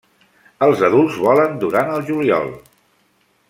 Els adults volen durant el juliol.